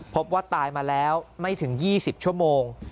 พบว่าตายมาแล้วไม่ถึง๒๐ชั่วโมง